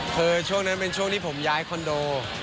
คือช่วงนั้นเป็นช่วงที่ผมย้ายคอนโด